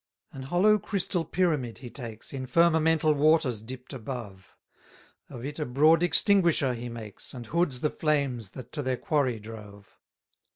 281 An hollow crystal pyramid he takes, In firmamental waters dipt above; Of it a broad extinguisher he makes, And hoods the flames that to their quarry drove.